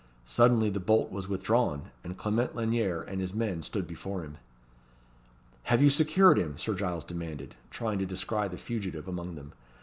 Suddenly the bolt was withdrawn, and Clement Lanyere and his men stood before him. "Have you secured him?" Sir Giles demanded, trying to descry the fugitive among them.